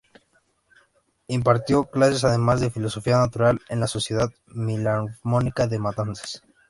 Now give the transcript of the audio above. Impartió clases además de Filosofía Natural en la Sociedad Filarmónica de Matanzas.